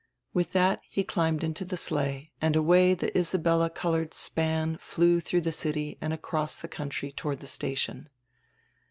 With diat he climbed into the sleigh and away die Isabella colored span flew dirough die city and across die country toward die station.